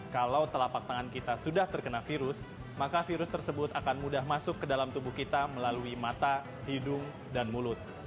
kalau telapak tangan kita sudah terkena virus maka virus tersebut akan mudah masuk ke dalam tubuh kita melalui mata hidung dan mulut